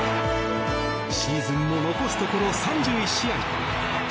シーズンも残すところ３１試合。